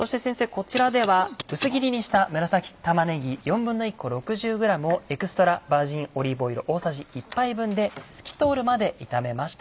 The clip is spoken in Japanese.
こちらでは薄切りにした紫玉ねぎ１／４個６０ｇをエクストラバージンオリーブオイル大さじ１杯分で透き通るまで炒めました。